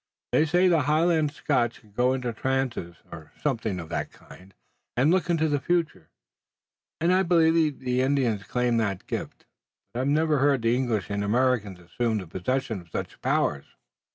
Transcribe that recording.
"They say the Highland Scotch can go into trances or something of that kind, and look into the future, and I believe the Indians claim the gift, but I've never heard that English and Americans assumed the possession of such powers."